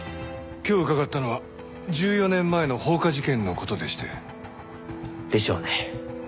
今日伺ったのは１４年前の放火事件の事でして。でしょうね。